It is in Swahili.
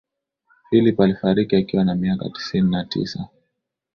philip alifariki akiwa na miaka tisini na tisa